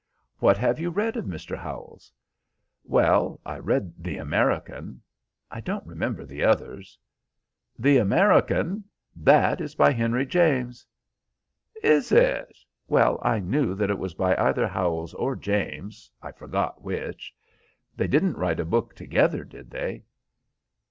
"What have you read of Mr. Howells'?" "Well, I read The American, I don't remember the others." "The American! That is by Henry James." "Is it? Well, I knew that it was by either Howells or James, I forgot which. They didn't write a book together, did they?"